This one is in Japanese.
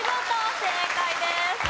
正解です。